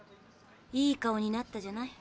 いい顔になったじゃない。